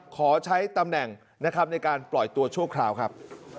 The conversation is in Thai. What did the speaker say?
ขอใช้ตำแหน่งนะครับในการปล่อยตัวชั่วคราวครับ